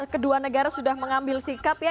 kedua negara sudah mengambil sikap ya